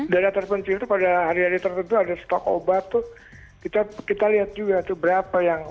dari atas pencil itu pada hari hari tertentu ada stok obat itu kita lihat juga tuh berapa yang